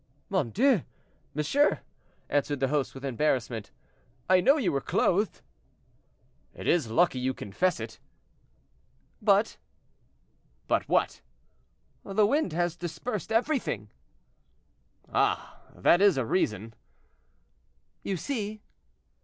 "Mon Dieu! monsieur," answered the host, with embarrassment, "I know you were clothed." "It is lucky you confess it." "But—" "But what?" "The wind has dispersed everything." "Ah! that is a reason." "You see."